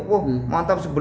oh mantap sebelas